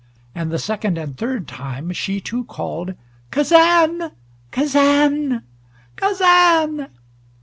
And the second and third time, she too called, "Kazan Kazan Kazan!"